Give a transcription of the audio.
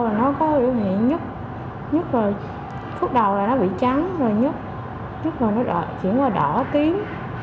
là nó có biểu hiện nhứt nhứt rồi phút đầu là nó bị trắng rồi nhứt nhứt rồi nó chuyển qua đỏ tím